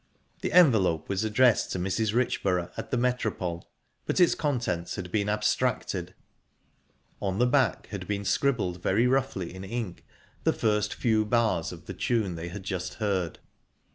The envelope was addressed to Mrs. Richborough, at the Metropole, but its contents had been abstracted. On the back had been scribbled very roughly in ink the first few bars of the tune they had just heard.